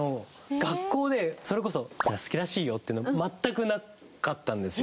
学校でそれこそ「好きらしいよ」っていうの全くなかったんですよ。